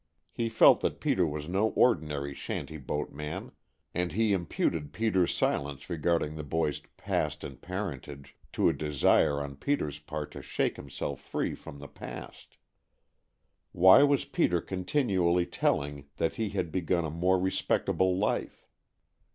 He felt that Peter was no ordinary shanty boat man, and he imputed Peter's silence regarding the boy's past and parentage to a desire on Peter's part to shake himself free from that past. Why was Peter continually telling that he had begun a more respectable life?